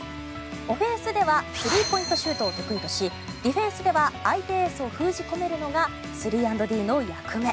オフェンスではスリーポイントシュートを得意としディフェンスでは相手エースを封じ込めるのが３＆Ｄの役目。